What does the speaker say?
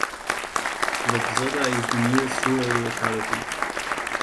Tlobzoda is the nearest rural locality.